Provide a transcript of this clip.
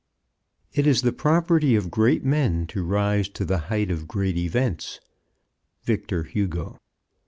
It is the property of great men to rise to the height of great events. _Victor Hugo.